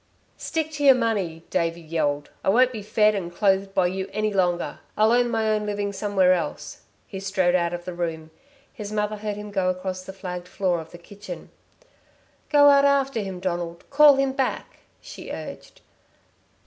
"Stick to your money!" Davey yelled. "I won't be fed and clothed by you any longer. I'll earn my own living somewhere else." He strode out of the room. His mother heard him go across the flagged floor of the kitchen. "Go out after him, Donald. Call him back," she urged.